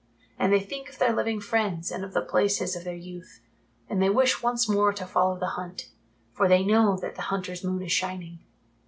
And they think of their living friends and of the places of their youth, and they wish once more to follow the hunt, for they know that the hunter's moon is shining.